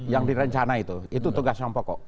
yang direncana itu itu tugas yang pokok